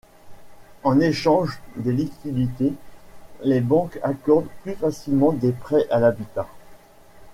En échange des liquidités, les banques accordent plus facilement des prêts à l'habitat.